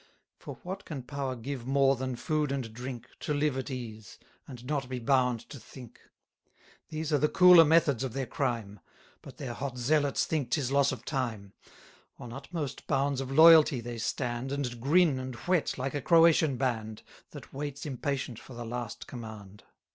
For what can power give more than food and drink, To live at ease, and not be bound to think? These are the cooler methods of their crime, But their hot zealots think 'tis loss of time; On utmost bounds of loyalty they stand, And grin and whet like a Croatian band, 240 That waits impatient for the last command.